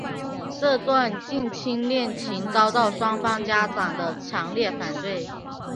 这段近亲恋情遭到双方家长的强烈反对。